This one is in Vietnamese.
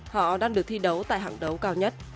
họ đang được thi đấu tại hạng đấu cao nhất